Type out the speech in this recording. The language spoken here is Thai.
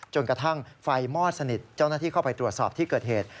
จนกระทั่งไฟมอดสนิทเจ้าหน้าที่เข้าไปตรวจสอบที่เกิดเหตุ